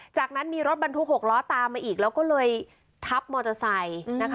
จากนั้นมีรถบรรทุก๖ล้อตามมาอีกแล้วก็เลยทับมอเตอร์ไซค์นะคะ